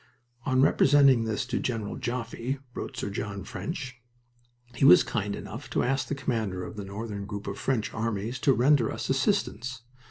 "On representing this to General Joffre," wrote Sir John French, "he was kind enough to ask the commander of the northern group of French armies to render us assistance.